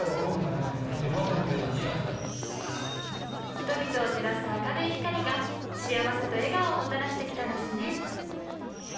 人々を照らす明るい光が幸せと笑顔をもたらして来たんですね。